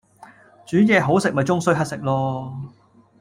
煮嘢好食咪終須乞食囉